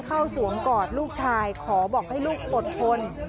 สวมกอดลูกชายขอบอกให้ลูกอดทน